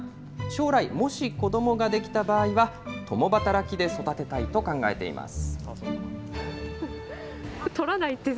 将来、もし子どもができた場合は、共働きで育てたいと考えています。